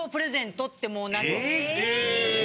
・え！